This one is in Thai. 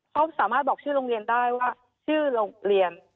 เขาสามารถบอกชื่อโรงเรียนได้ว่าชื่อโรงเรียน